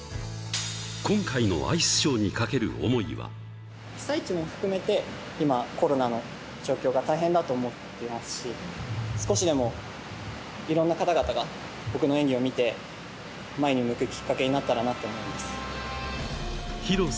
今回のアイスショーにかける被災地も含めて今、コロナの状況が大変だと思ってますし、少しでもいろんな方々が僕の演技を見て、前に向くきっかけになったらなって思います。